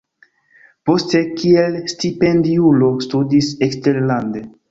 Poste kiel stipendiulo studis eksterlande.